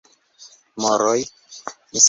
Moroj: